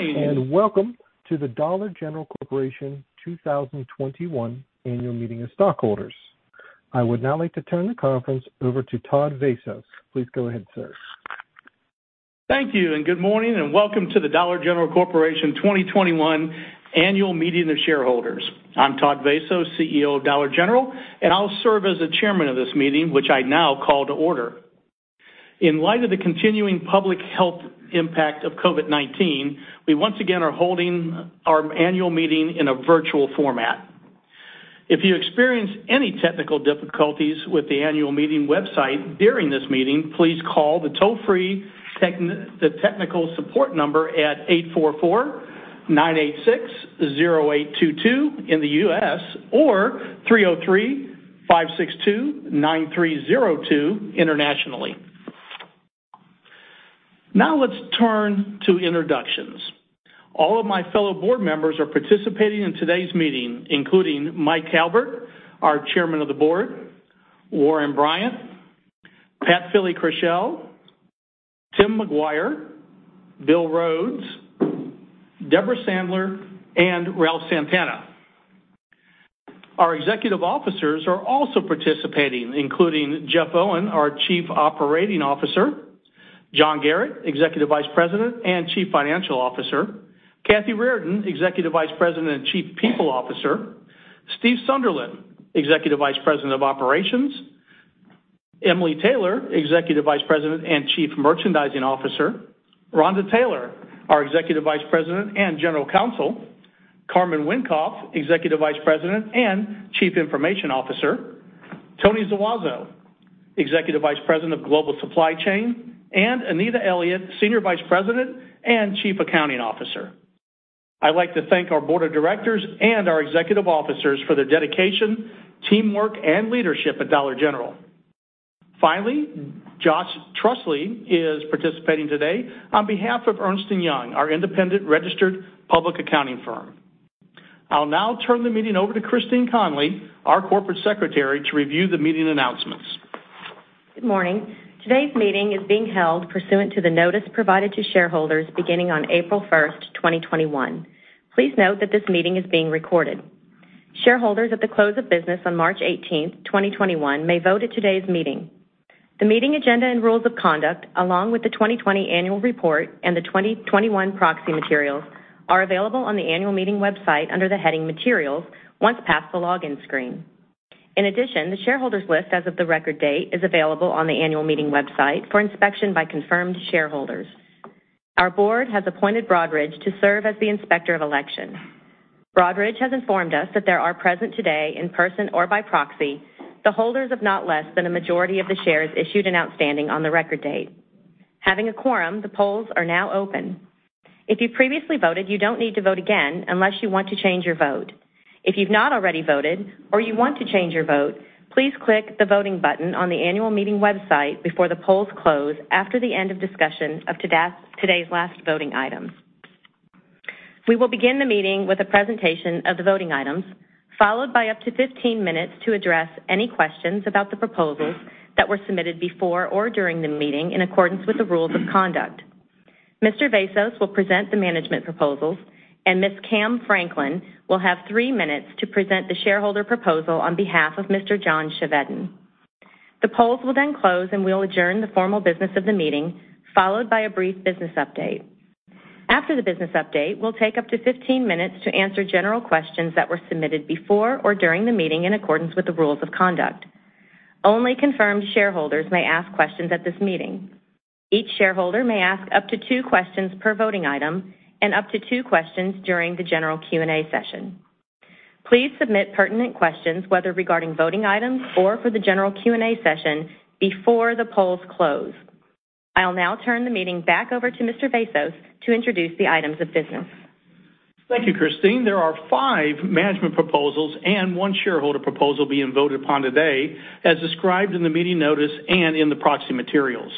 Good morning. Welcome to the Dollar General Corporation 2021 Annual Meeting of Stockholders. I would now like to turn the conference over to Todd Vasos. Please go ahead, sir. Thank you, good morning, and welcome to the Dollar General Corporation 2021 Annual Meeting of Shareholders. I'm Todd Vasos, CEO of Dollar General, and I'll serve as the Chairman of this meeting, which I now call to order. In light of the continuing public health impact of COVID-19, we once again are holding our annual meeting in a virtual format. If you experience any technical difficulties with the annual meeting website during this meeting, please call the toll-free technical support number at 844-986-0822 in the U.S. or 303-562-9302 internationally. Let's turn to introductions. All of my fellow board members are participating in today's meeting, including Mike Calbert, our Chairman of the Board, Warren Bryant, Pat Fili-Krushel, Tim McGuire, Bill Rhodes, Debra Sandler, and Ralph Santana. Our executive officers are also participating, including Jeff Owen, our Chief Operating Officer, John Garratt, Executive Vice President and Chief Financial Officer, Kathy Reardon, Executive Vice President and Chief People Officer, Steve Sunderland, Executive Vice President of Operations, Emily Taylor, Executive Vice President and Chief Merchandising Officer, Rhonda Taylor, our Executive Vice President and General Counsel, Carman Wenkoff, Executive Vice President and Chief Information Officer, Tony Zuazo, Executive Vice President of Global Supply Chain, and Anita Elliott, Senior Vice President and Chief Accounting Officer. I'd like to thank our board of directors and our executive officers for their dedication, teamwork, and leadership at Dollar General. Finally, Josh Trusley is participating today on behalf of Ernst & Young, our independent registered public accounting firm. I'll now turn the meeting over to Christine Connolly, our Corporate Secretary, to review the meeting announcements. Good morning. Today's meeting is being held pursuant to the notice provided to shareholders beginning on April 1st, 2021. Please note that this meeting is being recorded. Shareholders at the close of business on March 18th, 2021, may vote at today's meeting. The meeting agenda and rules of conduct, along with the 2020 annual report and the 2021 proxy materials, are available on the annual meeting website under the heading Materials once past the login screen. In addition, the shareholders list as of the record date is available on the annual meeting website for inspection by confirmed shareholders. Our board has appointed Broadridge to serve as the Inspector of Election. Broadridge has informed us that there are present today, in person or by proxy, the holders of not less than a majority of the shares issued and outstanding on the record date. Having a quorum, the polls are now open. If you previously voted, you don't need to vote again unless you want to change your vote. If you've not already voted or you want to change your vote, please click the voting button on the annual meeting website before the polls close after the end of discussion of today's last voting item. We will begin the meeting with the presentation of the voting items, followed by up to 15 minutes to address any questions about the proposals that were submitted before or during the meeting in accordance with the rules of conduct. Mr. Vasos will present the management proposals, and Ms. Cam Franklin will have three minutes to present the shareholder proposal on behalf of Mr. John Chevedden. The polls will then close, and we will adjourn the formal business of the meeting, followed by a brief business update. After the business update, we'll take up to 15 minutes to answer general questions that were submitted before or during the meeting in accordance with the rules of conduct. Only confirmed shareholders may ask questions at this meeting. Each shareholder may ask up to two questions per voting item and up to two questions during the general Q&A session. Please submit pertinent questions, whether regarding voting items or for the general Q&A session, before the polls close. I'll now turn the meeting back over to Mr. Vasos to introduce the items of business. Thank you, Christine. There are five management proposals and one shareholder proposal being voted upon today, as described in the meeting notice and in the proxy materials.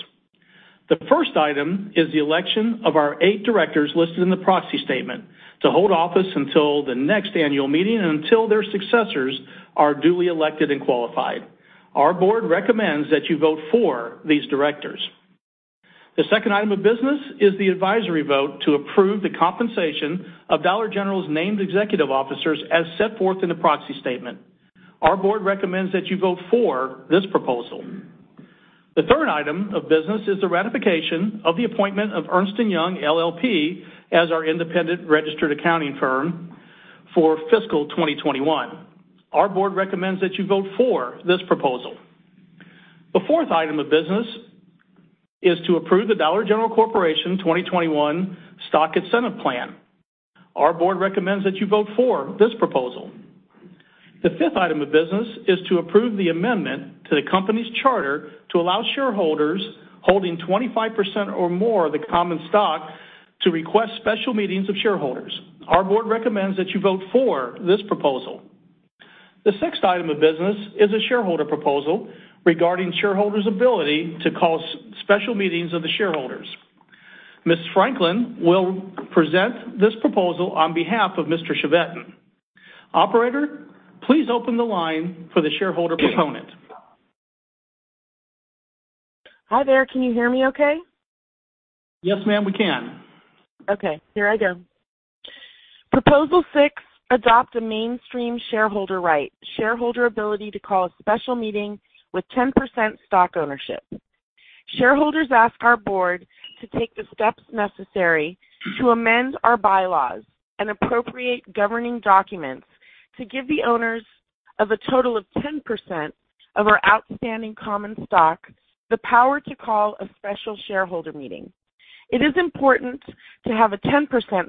The first item is the election of our eight directors listed in the proxy statement to hold office until the next annual meeting and until their successors are duly elected and qualified. Our board recommends that you vote for these directors. The second item of business is the advisory vote to approve the compensation of Dollar General's named executive officers as set forth in the proxy statement. Our board recommends that you vote for this proposal. The third item of business is the ratification of the appointment of Ernst & Young LLP as our independent registered accounting firm for fiscal 2021. Our board recommends that you vote for this proposal. The fourth item of business is to approve the Dollar General Corporation 2021 Stock Incentive Plan. Our board recommends that you vote for this proposal. The fifth item of business is to approve the amendment to the company's charter to allow shareholders holding 25% or more of the common stock to request special meetings of shareholders. Our board recommends that you vote for this proposal. The sixth item of business is a shareholder proposal regarding shareholders' ability to call special meetings of the shareholders. Ms. Franklin will present this proposal on behalf of Mr. Chevedden. Operator, please open the line for the shareholder proponent. Hi there. Can you hear me okay? Yes, ma'am, we can. Okay. Here I go. Proposal 6, adopt a mainstream shareholder right, shareholder ability to call a special meeting with 10% stock ownership. Shareholders ask our board to take the steps necessary to amend our bylaws and appropriate governing documents to give the owners of a total of 10% of our outstanding common stock the power to call a special shareholder meeting. It is important to have a 10%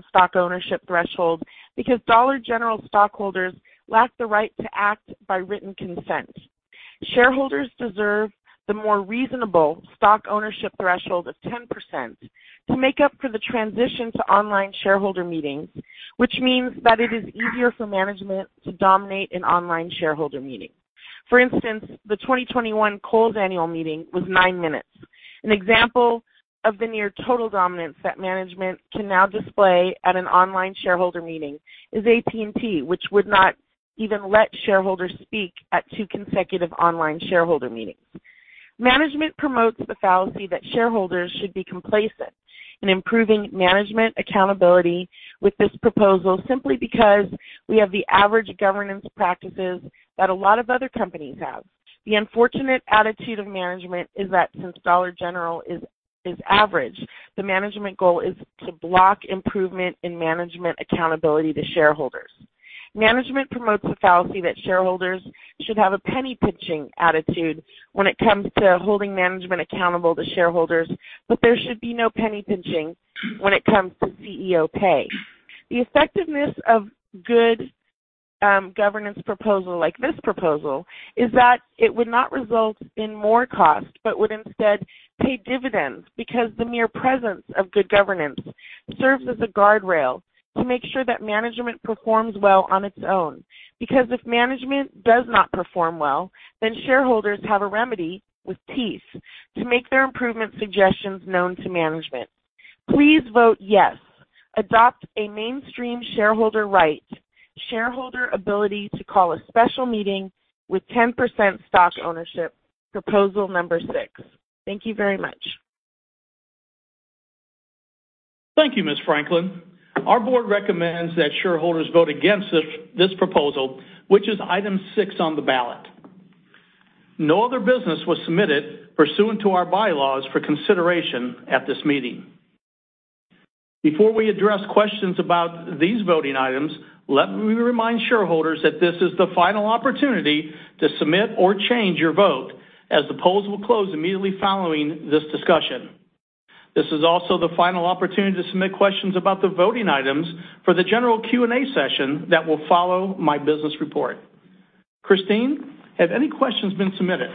stock ownership threshold because Dollar General stockholders lack the right to act by written consent. Shareholders deserve the more reasonable stock ownership threshold of 10% to make up for the transition to online shareholder meetings, which means that it is easier for management to dominate an online shareholder meeting. For instance, the 2021 Kohl's annual meeting was nine minutes. An example of the near total dominance that management can now display at an online shareholder meeting is AT&T, which would not even let shareholders speak at two consecutive online shareholder meetings. Management promotes the fallacy that shareholders should be complacent in improving management accountability with this proposal simply because we have the average governance practices that a lot of other companies have. The unfortunate attitude of management is that since Dollar General is average, the management goal is to block improvement in management accountability to shareholders. Management promotes the fallacy that shareholders should have a penny-pinching attitude when it comes to holding management accountable to shareholders, but there should be no penny-pinching when it comes to CEO pay. The effectiveness of a good governance proposal like this proposal is that it would not result in more cost but would instead pay dividends because the mere presence of good governance serves as a guardrail to make sure that management performs well on its own. Because if management does not perform well, then shareholders have a remedy with peace to make their improvement suggestions known to management. Please vote yes. Adopt a mainstream shareholder right, shareholder ability to call a special meeting with 10% stock ownership, proposal number 6. Thank you very much. Thank you, Ms. Franklin. Our board recommends that shareholders vote against this proposal, which is item six on the ballot. No other business was submitted pursuant to our bylaws for consideration at this meeting. Before we address questions about these voting items, let me remind shareholders that this is the final opportunity to submit or change your vote, as the polls will close immediately following this discussion. This is also the final opportunity to submit questions about the voting items for the general Q&A session that will follow my business report. Christine, have any questions been submitted?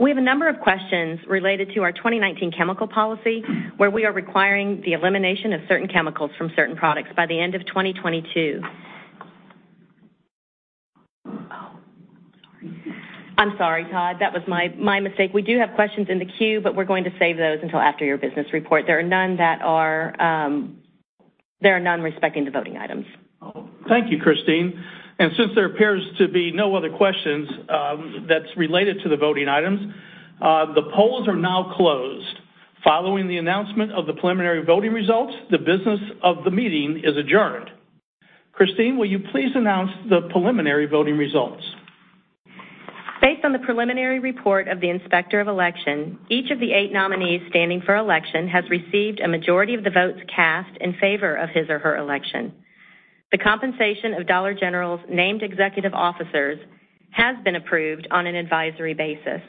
We have a number of questions related to our 2019 chemical policy, where we are requiring the elimination of certain chemicals from certain products by the end of 2022. I'm sorry, Todd. That was my mistake. We do have questions in the queue, we're going to save those until after your business report. There are none respecting the voting items. Thank you, Christine. Since there appears to be no other questions that's related to the voting items, the polls are now closed. Following the announcement of the preliminary voting results, the business of the meeting is adjourned. Christine, will you please announce the preliminary voting results? Based on the preliminary report of the Inspector of Election, each of the eight nominees standing for election has received a majority of the votes cast in favor of his or her election. The compensation of Dollar General's named executive officers has been approved on an advisory basis.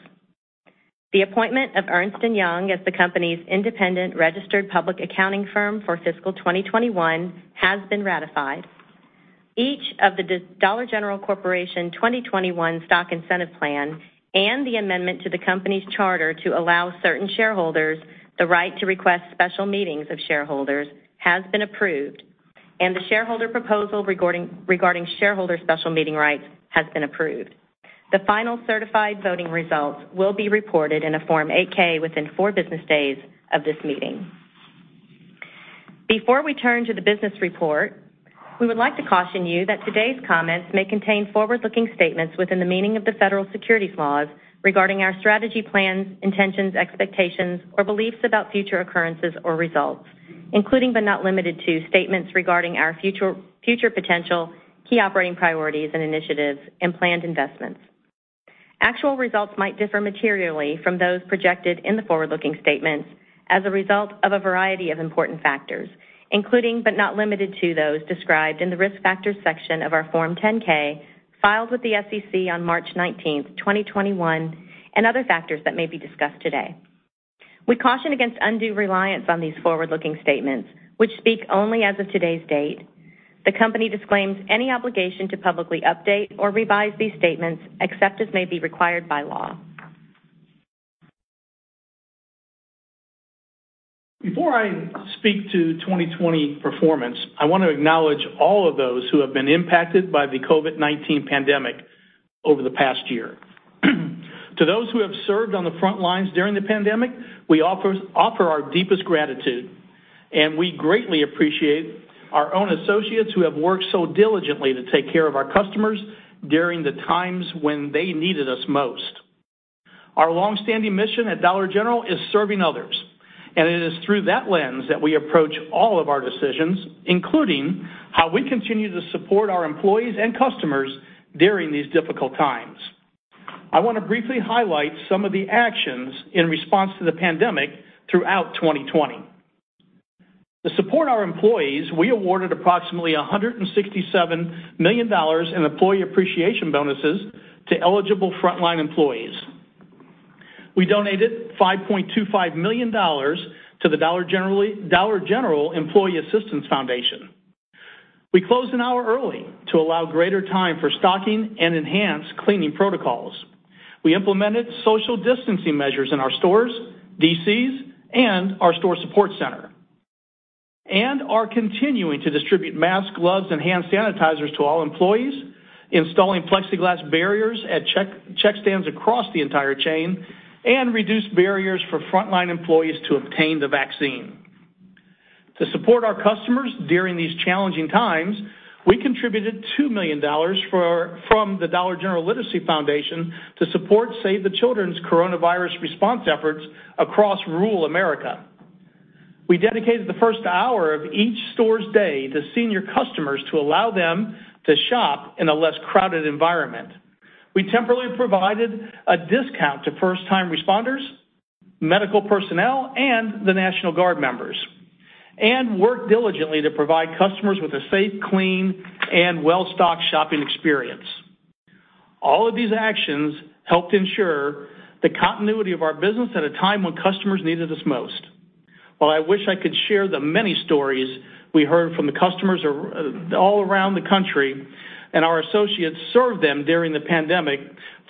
The appointment of Ernst & Young as the company's independent registered public accounting firm for fiscal 2021 has been ratified. Each of the Dollar General Corporation 2021 Stock Incentive Plan and the amendment to the company's charter to allow certain shareholders the right to request special meetings of shareholders has been approved, and the shareholder proposal regarding shareholder special meeting rights has been approved. The final certified voting results will be recorded in a Form 8-K within four business days of this meeting. Before we turn to the business report, we would like to caution you that today's comments may contain forward-looking statements within the meaning of the Federal securities laws regarding our strategy plans, intentions, expectations, or beliefs about future occurrences or results, including but not limited to statements regarding our future potential, key operating priorities and initiatives, and planned investments. Actual results might differ materially from those projected in the forward-looking statements as a result of a variety of important factors, including but not limited to those described in the Risk Factors section of our Form 10-K filed with the SEC on March 19th, 2021, and other factors that may be discussed today. We caution against undue reliance on these forward-looking statements, which speak only as of today's date. The company disclaims any obligation to publicly update or revise these statements, except as may be required by law. Before I speak to the 2020 performance, I want to acknowledge all of those who have been impacted by the COVID-19 pandemic over the past year. To those who have served on the front lines during the pandemic, we offer our deepest gratitude. We greatly appreciate our own associates who have worked so diligently to take care of our customers during the times when they needed us most. Our longstanding mission at Dollar General is Serving Others, and it is through that lens that we approach all of our decisions, including how we continue to support our employees and customers during these difficult times. I want to briefly highlight some of the actions in response to the pandemic throughout 2020. To support our employees, we awarded approximately $167 million in employee appreciation bonuses to eligible frontline employees. We donated $5.25 million to the Dollar General Employee Assistance Foundation. We closed an hour early to allow greater time for stocking and enhanced cleaning protocols. We implemented social distancing measures in our stores, DCs, and our store support center, and are continuing to distribute masks, gloves, and hand sanitizers to all employees, installing plexiglass barriers at checkstands across the entire chain, and reduced barriers for frontline employees to obtain the vaccine. To support our customers during these challenging times, we contributed $2 million from the Dollar General Literacy Foundation to support Save the Children's coronavirus response efforts across rural America. We dedicated the first hour of each store's day to senior customers to allow them to shop in a less crowded environment. We temporarily provided a discount to first responders, medical personnel, and the National Guard members, and worked diligently to provide customers with a safe, clean, and well-stocked shopping experience. All of these actions helped ensure the continuity of our business at a time when customers needed us most. While I wish I could share the many stories we heard from the customers all around the country and our associates served them during the pandemic,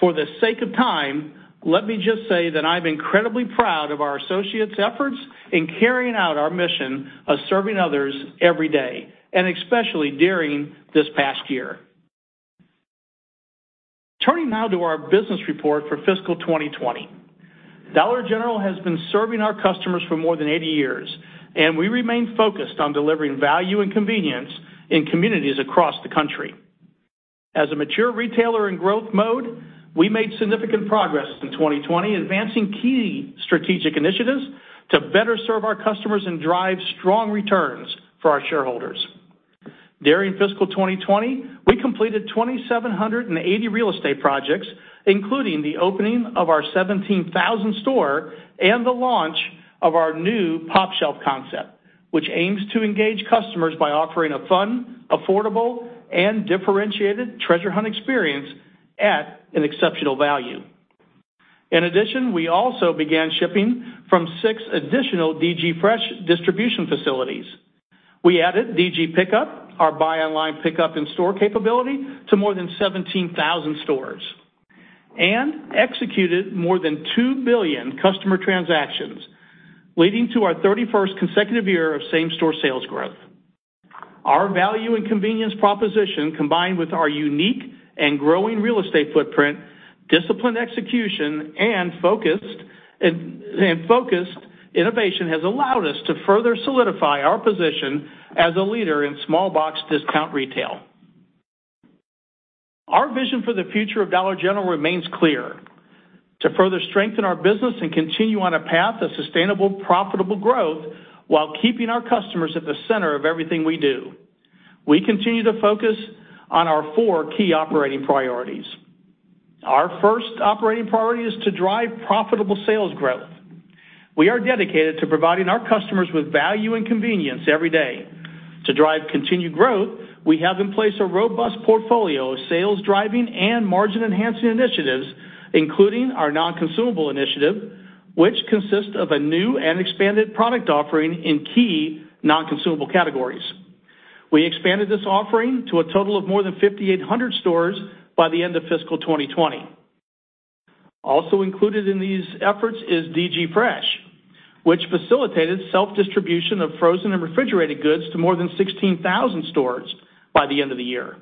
for the sake of time, let me just say that I'm incredibly proud of our associates' efforts in carrying out our mission of Serving Others every day, and especially during this past year. Turning now to our business report for fiscal 2020. Dollar General has been serving our customers for more than 80 years, and we remain focused on delivering value and convenience in communities across the country. As a mature retailer in growth mode, we made significant progress in 2020, advancing key strategic initiatives to better serve our customers and drive strong returns for our shareholders. During fiscal 2020, we completed 2,780 real estate projects, including the opening of our 17,000th store and the launch of our new pOpshelf concept, which aims to engage customers by offering a fun, affordable, and differentiated treasure hunt experience at an exceptional value. In addition, we also began shipping from six additional DG Fresh distribution facilities. We added DG Pickup, our buy online pickup in-store capability, to more than 17,000 stores and executed more than 2 billion customer transactions, leading to our 31st consecutive year of same-store sales growth. Our value and convenience proposition, combined with our unique and growing real estate footprint, disciplined execution, and focused innovation, has allowed us to further solidify our position as a leader in small-box discount retail. Our vision for the future of Dollar General remains clear. To further strengthen our business and continue on a path of sustainable, profitable growth while keeping our customers at the center of everything we do, we continue to focus on our four key operating priorities. Our first operating priority is to drive profitable sales growth. We are dedicated to providing our customers with value and convenience every day. To drive continued growth, we have in place a robust portfolio of sales-driving and margin-enhancing initiatives, including our non-consumable initiative, which consists of a new and expanded product offering in key non-consumable categories. We expanded this offering to a total of more than 5,800 stores by the end of fiscal 2020. Also included in these efforts is DG Fresh, which facilitated self-distribution of frozen and refrigerated goods to more than 16,000 stores by the end of the year.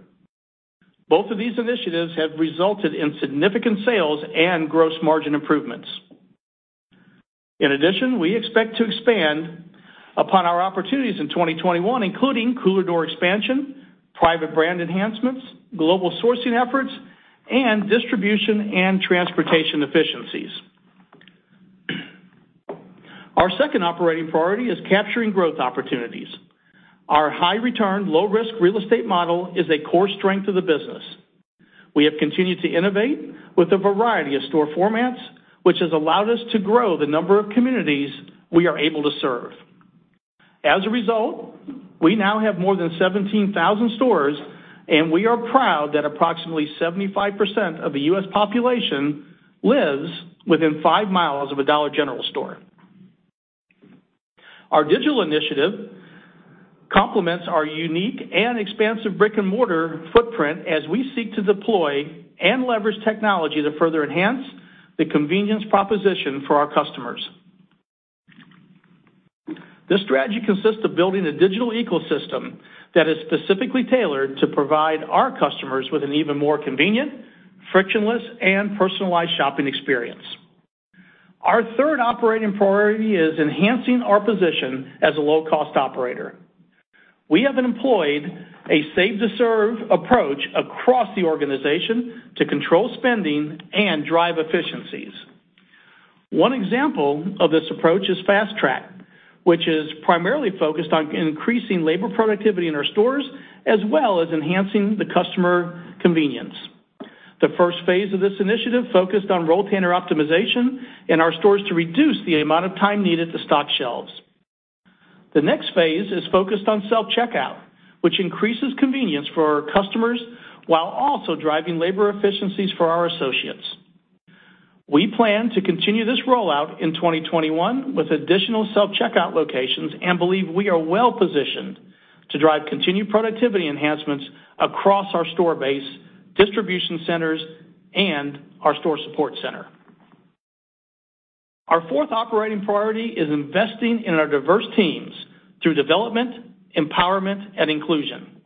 Both of these initiatives have resulted in significant sales and gross margin improvements. In addition, we expect to expand upon our opportunities in 2021, including cooler door expansion, private brand enhancements, global sourcing efforts, and distribution and transportation efficiencies. Our second operating priority is capturing growth opportunities. Our high-return, low-risk real estate model is a core strength of the business. We have continued to innovate with a variety of store formats, which has allowed us to grow the number of communities we are able to serve. As a result, we now have more than 17,000 stores, and we are proud that approximately 75% of the U.S. population lives within five miles of a Dollar General store. Our digital initiative complements our unique and expansive brick-and-mortar footprint as we seek to deploy and leverage technology to further enhance the convenience proposition for our customers. This strategy consists of building a digital ecosystem that is specifically tailored to provide our customers with an even more convenient, frictionless, and personalized shopping experience. Our third operating priority is enhancing our position as a low-cost operator. We have employed a save to serve approach across the organization to control spending and drive efficiencies. One example of this approach is Fast Track, which is primarily focused on increasing labor productivity in our stores, as well as enhancing the customer convenience. The first phase of this initiative focused on rolltainer optimization in our stores to reduce the amount of time needed to stock shelves. The next phase is focused on self-checkout, which increases convenience for our customers while also driving labor efficiencies for our associates. We plan to continue this rollout in 2021 with additional self-checkout locations and believe we are well-positioned to drive continued productivity enhancements across our store base, distribution centers, and our store support center. Our fourth operating priority is investing in our diverse teams through development, empowerment, and inclusion.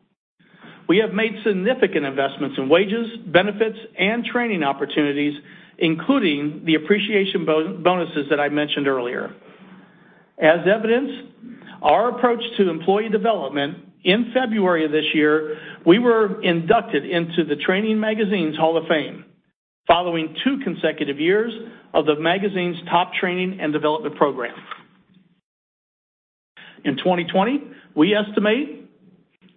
We have made significant investments in wages, benefits, and training opportunities, including the appreciation bonuses that I mentioned earlier. As evidence, our approach to employee development, in February of this year, we were inducted into the Training magazine's Hall of Fame, following two consecutive years of the magazine's top training and development program. In 2020, we estimate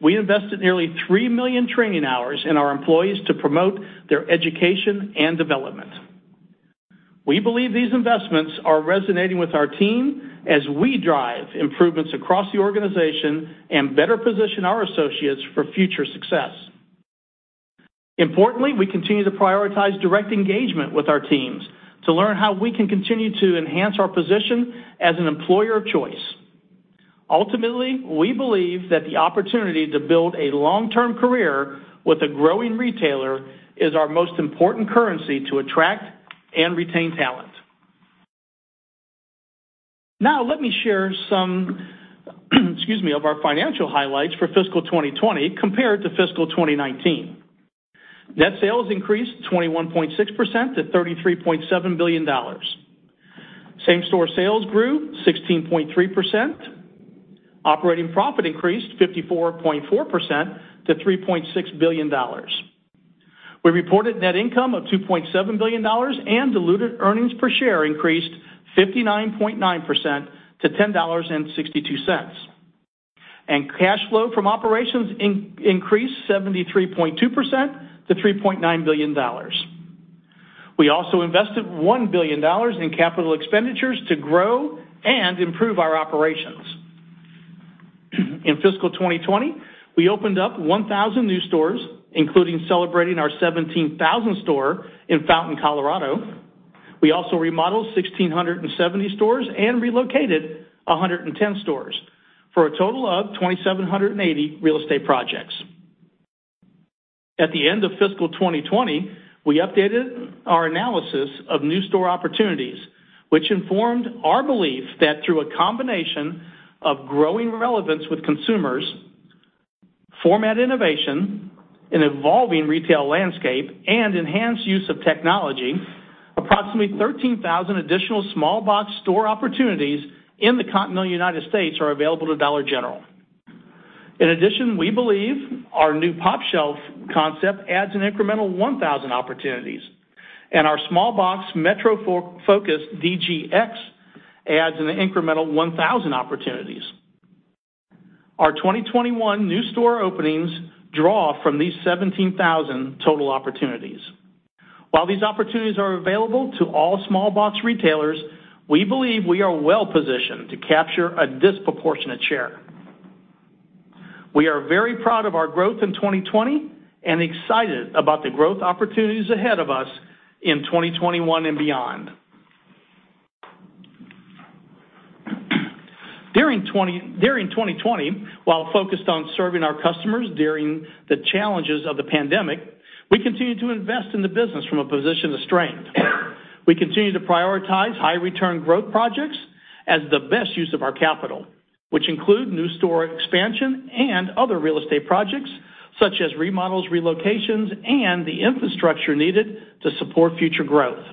we invested nearly 3 million training hours in our employees to promote their education and development. We believe these investments are resonating with our team as we drive improvements across the organization and better position our associates for future success. Importantly, we continue to prioritize direct engagement with our teams to learn how we can continue to enhance our position as an employer of choice. Ultimately, we believe that the opportunity to build a long-term career with a growing retailer is our most important currency to attract and retain talent. Let me share some of our financial highlights for fiscal 2020 compared to fiscal 2019. Net sales increased 21.6% to $33.7 billion. Same-store sales grew 16.3%. Operating profit increased 54.4% to $3.6 billion. We reported net income of $2.7 billion and diluted earnings per share increased 59.9% to $10.62. Cash flow from operations increased 73.2% to $3.9 billion. We also invested $1 billion in capital expenditures to grow and improve our operations. In fiscal 2020, we opened up 1,000 new stores, including celebrating our 17,000th store in Fountain, Colorado. We also remodeled 1,670 stores and relocated 110 stores for a total of 2,780 real estate projects. At the end of fiscal 2020, we updated our analysis of new store opportunities, which informed our belief that through a combination of growing relevance with consumers, format innovation, an evolving retail landscape, and enhanced use of technology, approximately 13,000 additional small box store opportunities in the continental U.S. are available to Dollar General. In addition, we believe our new pOpshelf concept adds an incremental 1,000 opportunities, and our small box metro-focused DGX adds an incremental 1,000 opportunities. Our 2021 new store openings draw from these 17,000 total opportunities. While these opportunities are available to all small box retailers, we believe we are well-positioned to capture a disproportionate share. We are very proud of our growth in 2020 and excited about the growth opportunities ahead of us in 2021 and beyond. During 2020, while focused on serving our customers during the challenges of the pandemic, we continued to invest in the business from a position of strength. We continued to prioritize high-return growth projects as the best use of our capital, which include new store expansion and other real estate projects such as remodels, relocations, and the infrastructure needed to support future growth.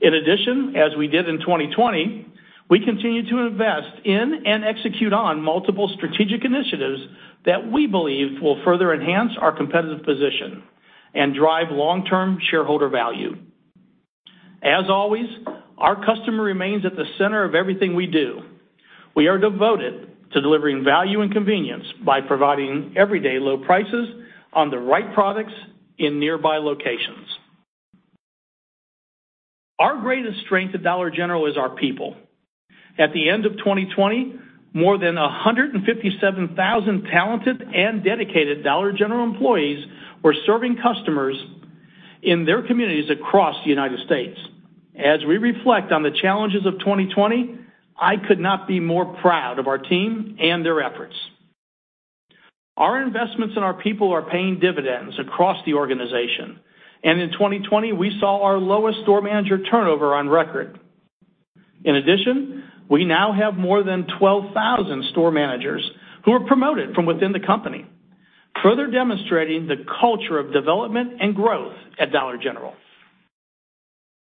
In addition, as we did in 2020, we continued to invest in and execute on multiple strategic initiatives that we believe will further enhance our competitive position and drive long-term shareholder value. As always, our customer remains at the center of everything we do. We are devoted to delivering value and convenience by providing everyday low prices on the right products in nearby locations. Our greatest strength at Dollar General is our people. At the end of 2020, more than 157,000 talented and dedicated Dollar General employees were serving customers in their communities across the United States. As we reflect on the challenges of 2020, I could not be more proud of our team and their efforts. Our investments in our people are paying dividends across the organization, and in 2020, we saw our lowest store manager turnover on record. In addition, we now have more than 12,000 store managers who are promoted from within the company, further demonstrating the culture of development and growth at Dollar General.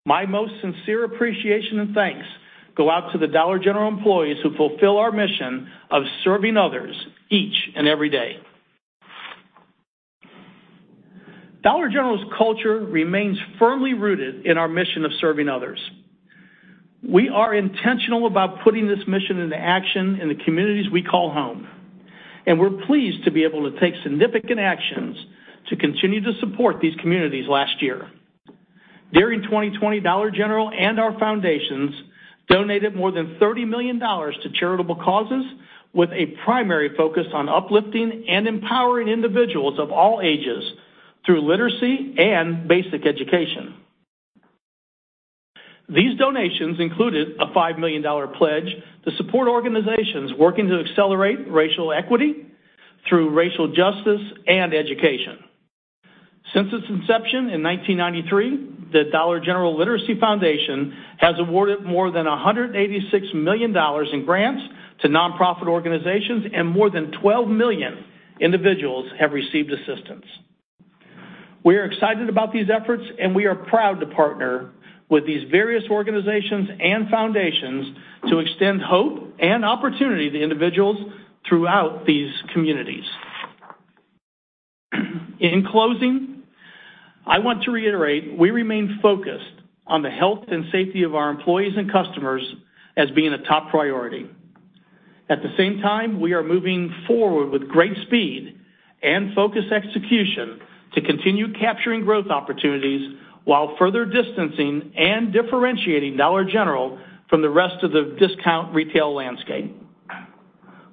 My most sincere appreciation and thanks go out to the Dollar General employees who fulfill our mission of Serving Others each and every day. Dollar General's culture remains firmly rooted in our mission of Serving Others. We are intentional about putting this mission into action in the communities we call home, and we're pleased to be able to take significant actions to continue to support these communities last year. During 2020, Dollar General and our foundations donated more than $30 million to charitable causes, with a primary focus on uplifting and empowering individuals of all ages through literacy and basic education. These donations included a $5 million pledge to support organizations working to accelerate racial equity through racial justice and education. Since its inception in 1993, the Dollar General Literacy Foundation has awarded more than $186 million in grants to nonprofit organizations, and more than 12 million individuals have received assistance. We are excited about these efforts, and we are proud to partner with these various organizations and foundations to extend hope and opportunity to individuals throughout these communities. In closing, I want to reiterate, we remain focused on the health and safety of our employees and customers as being a top priority. At the same time, we are moving forward with great speed and focused execution to continue capturing growth opportunities while further distancing and differentiating Dollar General from the rest of the discount retail landscape.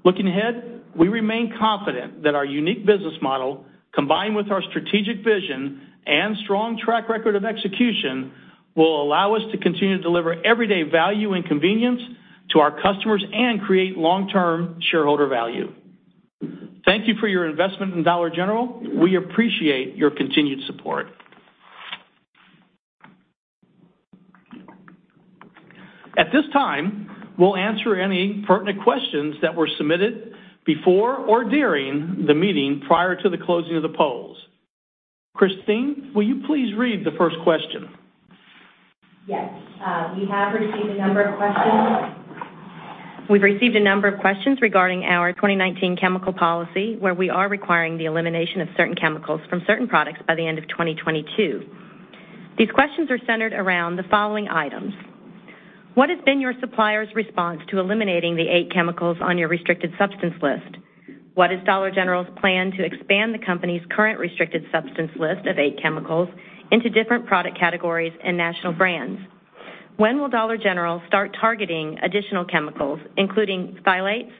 Looking ahead, we remain confident that our unique business model, combined with our strategic vision and strong track record of execution, will allow us to continue to deliver everyday value and convenience to our customers and create long-term shareholder value. Thank you for your investment in Dollar General. We appreciate your continued support. At this time, we'll answer any pertinent questions that were submitted before or during the meeting prior to the closing of the polls. Christine, will you please read the first question? Yes. We've received a number of questions regarding our 2019 chemical policy, where we are requiring the elimination of certain chemicals from certain products by the end of 2022. These questions are centered around the following items. What has been your suppliers' response to eliminating the eight chemicals on your restricted substance list? What is Dollar General's plan to expand the company's current restricted substance list of eight chemicals into different product categories and national brands? When will Dollar General start targeting additional chemicals, including phthalates,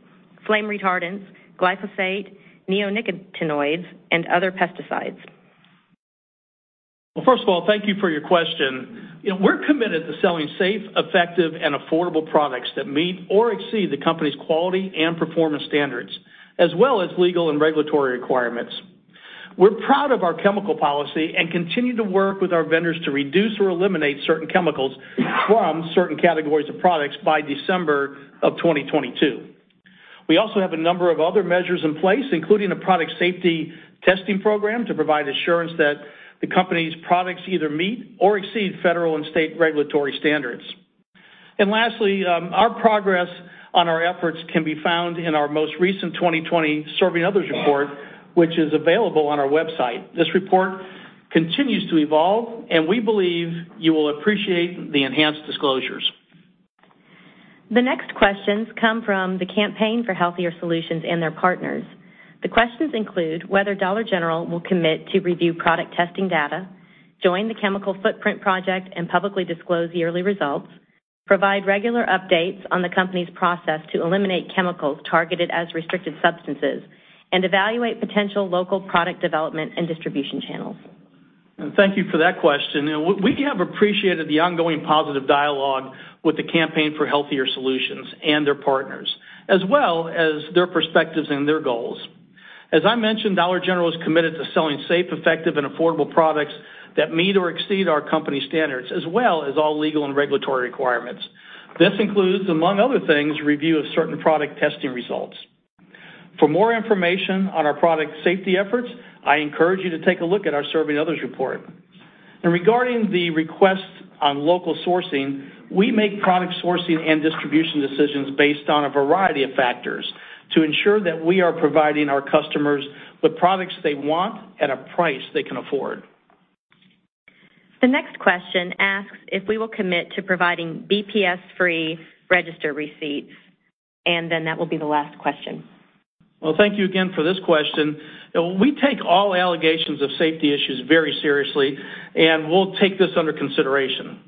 flame retardants, glyphosate, neonicotinoids, and other pesticides? Well, first of all, thank you for your question. We're committed to selling safe, effective, and affordable products that meet or exceed the company's quality and performance standards, as well as legal and regulatory requirements. We're proud of our chemical policy and continue to work with our vendors to reduce or eliminate certain chemicals from certain categories of products by December of 2022. We also have a number of other measures in place, including a product safety testing program, to provide assurance that the company's products either meet or exceed federal and state regulatory standards. Lastly, our progress on our efforts can be found in our most recent 2020 Serving Others report, which is available on our website. This report continues to evolve, and we believe you will appreciate the enhanced disclosures. The next questions come from the Campaign for Healthier Solutions and their partners. The questions include whether Dollar General will commit to review product testing data, join the Chemical Footprint Project and publicly disclose yearly results, provide regular updates on the company's process to eliminate chemicals targeted as restricted substances, and evaluate potential local product development and distribution channels. Thank you for that question. We have appreciated the ongoing positive dialogue with the Campaign for Healthier Solutions and their partners, as well as their perspectives and their goals. As I mentioned, Dollar General is committed to selling safe, effective, and affordable products that meet or exceed our company's standards, as well as all legal and regulatory requirements. This includes, among other things, review of certain product testing results. For more information on our product safety efforts, I encourage you to take a look at our Serving Others report. Regarding the request on local sourcing, we make product sourcing and distribution decisions based on a variety of factors to ensure that we are providing our customers the products they want at a price they can afford. The next question asks if we will commit to providing BPS-free register receipts, and then that will be the last question. Well, thank you again for this question. We take all allegations of safety issues very seriously, and we'll take this under consideration.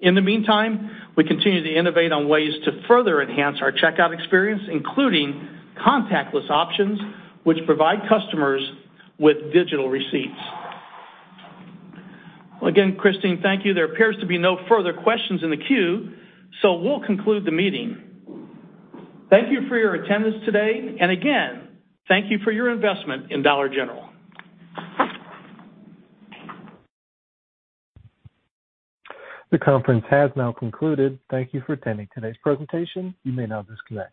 In the meantime, we continue to innovate on ways to further enhance our checkout experience, including contactless options, which provide customers with digital receipts. Again, Christine, thank you. There appears to be no further questions in the queue, so we'll conclude the meeting. Thank you for your attendance today, and again, thank you for your investment in Dollar General. The conference has now concluded. Thank you for attending today's presentation. You may now disconnect.